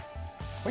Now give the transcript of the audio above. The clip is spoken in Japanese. はい。